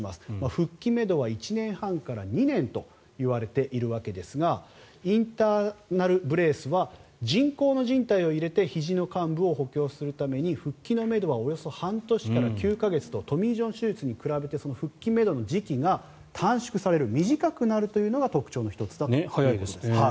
復帰めどは１年半から２年といわれているわけですがインターナル・ブレースは人工のじん帯を入れてひじの患部を補強するために復帰のめどはおよそ半年から９か月とトミー・ジョン手術に比べて復帰めどの時期が短縮される、短くなるというのが特徴の１つということです。